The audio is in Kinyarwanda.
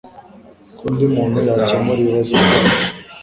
ko undi muntu yakemura ibibazo byacu